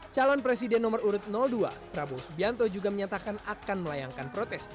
calon presiden nomor urut dua prabowo subianto juga menyatakan akan melayangkan protes